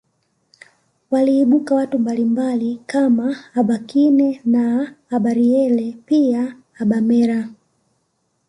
Waliibuka watu mbalimbali kama abakine na abarieri pia abamera